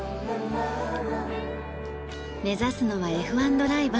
目指すのはＦ１ドライバー。